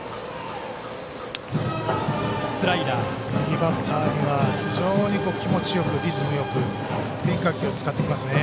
右バッターには非常に気持ちよく、リズムよく変化球を使ってきますね。